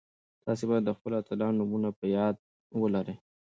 تاسي باید د خپلو اتلانو نومونه په یاد ولرئ.